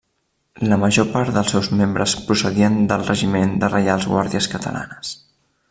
La major part dels seus membres procedien del Regiment de Reials Guàrdies Catalanes.